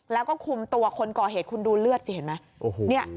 แล้วก็คุมตัวคนก่อเหตุคุณดูเลือดสิเห็นไหม